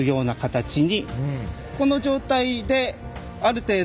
この状態である程度